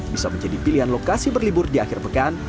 bisa menjadi pilihan lokasi berlibur di akhir pekan